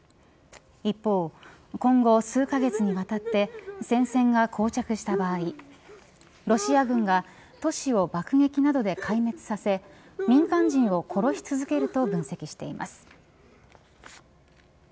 一方、今後数カ月にわたって戦線が膠着した場合ロシア軍が都市を爆撃などで壊滅させ民間人を殺し続けると分析しています。